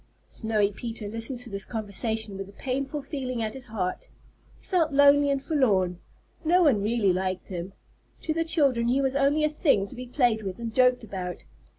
Snowy Peter listened to this conversation with a painful feeling at his heart. He felt lonely and forlorn. No one really liked him. To the children he was only a thing to be played with and joked about.